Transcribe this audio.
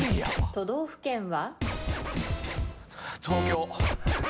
都道府県は？